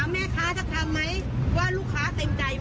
แม่ค้าจะทำไหมว่าลูกค้าเต็มใจไหม